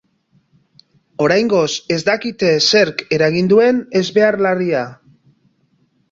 Oraingoz ez dakite zerk eragin duen ezbehar larria.